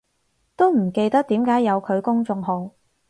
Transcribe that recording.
都唔記得點解有佢公眾號